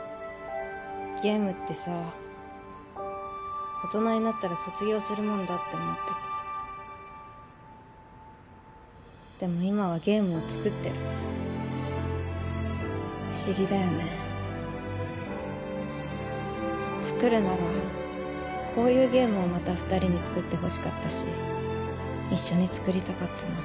ゲームってさ大人になったら卒業するもんだって思ってたでも今はゲームを作ってる不思議だよね作るならこういうゲームをまた二人に作ってほしかったし一緒に作りたかったな